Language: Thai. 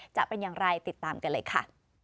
จะเป็นอย่างไรติดตามกันเลยค่ะ